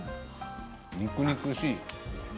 肉々しい。